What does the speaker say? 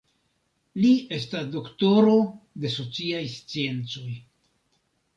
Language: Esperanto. Li estas doktoro de sociaj sciencoj.